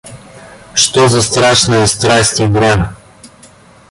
Что за страшная страсть — игра!